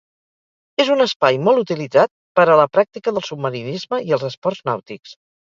És un espai molt utilitzat per a la pràctica del submarinisme i els esports nàutics.